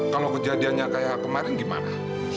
kalau kejadiannya kayak kemarin gimana